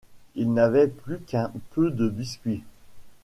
Il n’avait plus qu’un peu de biscuit.